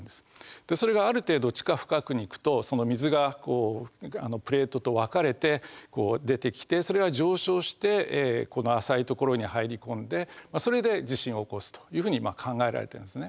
でそれがある程度地下深くに行くとその水がプレートと分かれて出てきてそれが上昇してこの浅い所に入り込んでそれで地震を起こすというふうに考えられていますね。